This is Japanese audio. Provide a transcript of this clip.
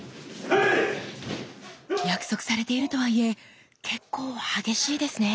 約束されているとはいえ結構激しいですね。